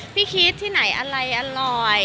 คิดที่ไหนอะไรอร่อย